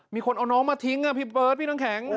มีคนเอาน้องมาทิ้งพี่เบิร์ดพี่น้ำแข็ง